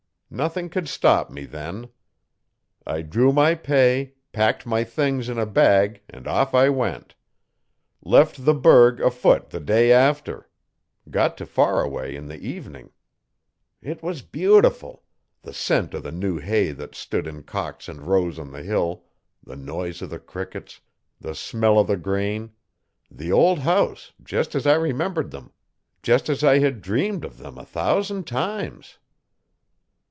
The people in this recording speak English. Nothing could stop me then. I drew my pay, packed my things in a bag and off I went. Left the 'Burg afoot the day after; got to Faraway in the evening. It was beautiful the scent o' the new hay that stood in cocks and rows on the hill the noise o' the crickets the smell o' the grain the old house, just as I remembered them; just as I had dreamed of them a thousand times.